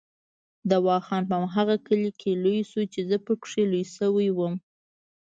دوا خان په هماغه کلي کې لوی شو چې زه پکې لوی شوی وم.